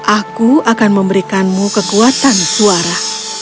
aku akan memberikanmu kekuatan suara